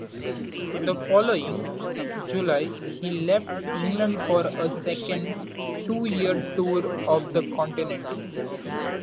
The following July he left England for a second, two-year tour of the continent.